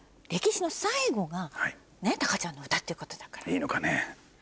いいのかね？